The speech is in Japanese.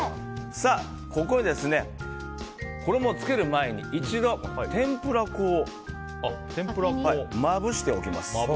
ここに衣をつける前に一度、天ぷら粉をまぶしておきます。